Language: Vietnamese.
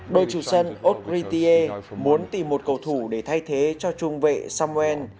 đội chủ sân aubry thier muốn tìm một cầu thủ để thay thế cho chung vệ samuel grigot người đã dính chân thương và phải bỏ lỡ mùa giải năm nay